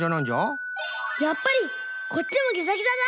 やっぱりこっちもギザギザだ！